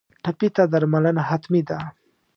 ټپي ته درملنه حتمي ده.